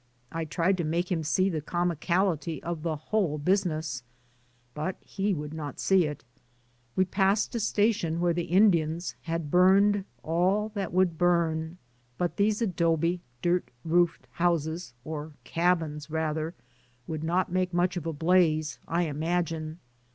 I tried to make him see the comicality of the whole business, but he would not see it. We passed a station where the Indians had burned all that would burn, but these adobe, dirt roof houses, or cabins rather, would not make much of a blaze I imagine.